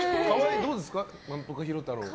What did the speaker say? どうですか？